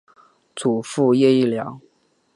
祖父叶益良。